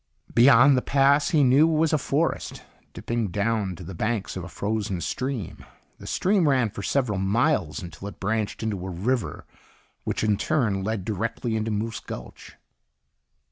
Beyond the pass, he knew, was a forest, dipping down to the banks of a frozen stream. The stream ran for several miles until it branched into a river, which in turn led directly into Moose Gulch.